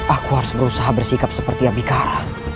aku harus berusaha bersikap seperti abikara